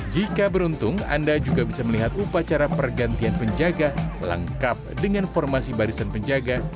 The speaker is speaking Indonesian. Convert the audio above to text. jika beruntung anda juga bisa melihat upacara pergantian penjaga lengkap dengan formasi barisan penjaga